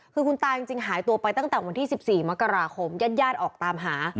คือคุณตาจริงหายตัวไปตั้งแต่วันที่๑๔มกราคมญาติออกตามหา